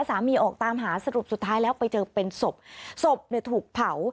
ออกตามหาสรุปสุดท้ายแล้วไปเจอเป็นศพศพเนี่ยถูกเผา